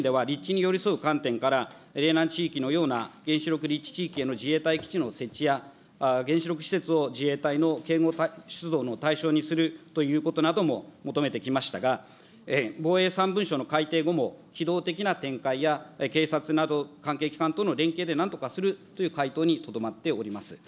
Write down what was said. リプレース理念では立地に寄り添う観点から、れいなん地域のような原子力立地地域への自衛隊の設置や、原子力施設を自衛隊の警護出動の対象にするということなども求めてきましたが、防衛三文書の改定後も、機動的な展開や警察など関係機関との連携でなんとかするという回答にとどまっております。